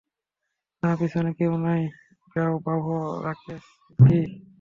না পিছনে কেউ নাই, যাও ব্রাভো, রাকেশজি।